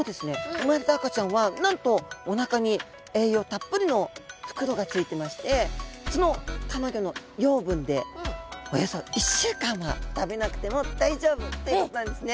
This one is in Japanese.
産まれた赤ちゃんはなんとおなかに栄養たっぷりの袋がついてましてその卵の養分でおよそ１週間は食べなくても大丈夫ということなんですね。